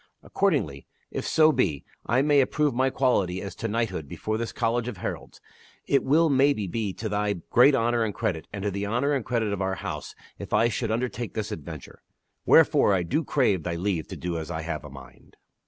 Accordingly, if so be I may approve my quality as to knighthood before this college of heralds, it will maybe be to thy great honor and credit, and to the honor and credit of our house if I should undertake this adventure. Wherefore I do crave thy leave to do as I have a mind."